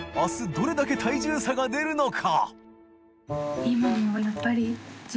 どれだけ体重差が出るのか？